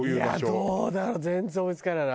いやどうだろう全然思い付かないな。